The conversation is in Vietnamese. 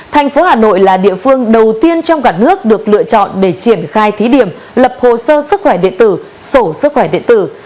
thành phố hà nội là địa phương đầu tiên trong cả nước được lựa chọn để triển khai thí điểm lập hồ sơ sức khỏe điện tử sổ sức khỏe điện tử